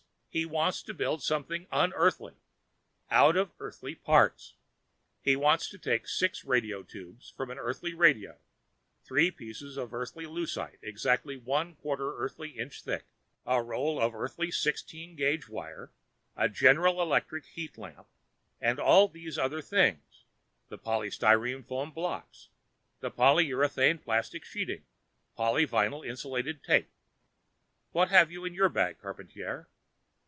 He wants to build something unEarthly. Out of Earthly parts. He wants to take six radio tubes for an Earthly radio, three pieces of Earthly Lucite exactly 1/4 Earthly inch thick, a roll of Earthly 16 gauge wire, a General Electric heat lamp, and all these other things the polystyrene foam blocks, the polyurethane plastic sheeting, the polyvinyl insulating tape; what have you in your bag, Charpantier?